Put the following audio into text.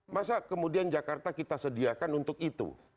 masa kemudian jakarta kita sediakan untuk itu